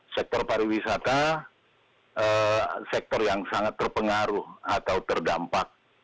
sektor pariwisata sektor yang sangat terpengaruh atau terdampak